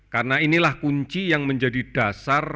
karena inilah kunci yang menjadi dasar